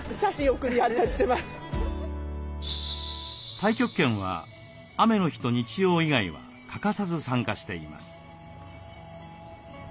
太極拳は雨の日と日曜以外は欠かさず参加しています。